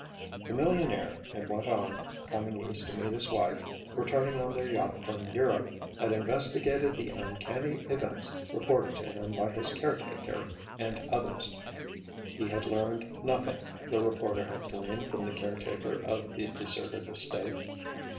The millionaire, it went on, coming East to meet his wife, returning on their yacht from Europe, had investigated the uncanny events reported to him by his caretaker and others. He had learned nothing, the reporter had gleaned from the caretaker of the deserted estate.